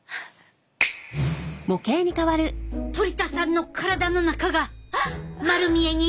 トリ田さんの体の中が丸見えに！